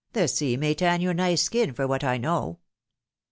The sea may tan your nice skin for what I know."